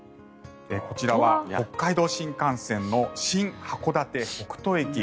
こちらは北海道新幹線の新函館北斗駅。